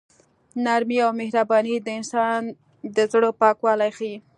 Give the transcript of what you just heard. نرمي او مهرباني د انسان د زړه پاکوالی ښيي.